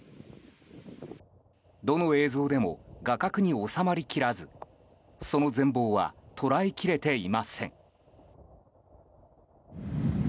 どの映像でも画角に収まりきらずその全貌は捉えきれていません。